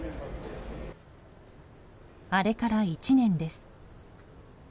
あれから１年です。